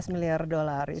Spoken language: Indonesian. lima belas miliar dolar